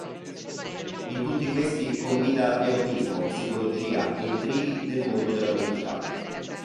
In tutti questi combina erotismo, psicologia e intrighi del mondo della nobiltà.